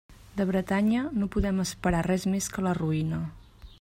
De Bretanya no podem esperar res més que la ruïna.